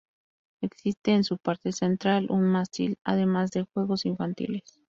Existe en su parte central un mástil, además de juegos infantiles.